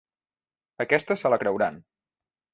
Aquesta se la creuran.